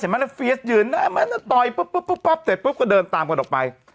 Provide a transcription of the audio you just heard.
เสร็จปุ๊บก็เดินตามเขาออกไป